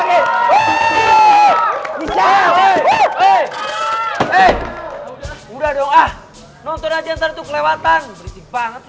kebiasaan nonton tv di tabung begini nih